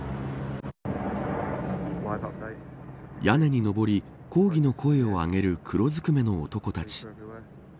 屋根に上り、抗議の声を上げる黒ずくめの男たち。